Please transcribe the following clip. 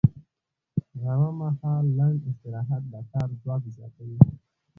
غرمه مهال لنډ استراحت د کار ځواک زیاتوي